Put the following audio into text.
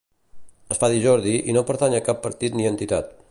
Es fa dir Jordi i no pertany a cap partit ni entitat.